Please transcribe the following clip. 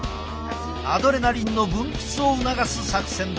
アドレナリンの分泌を促す作戦だ。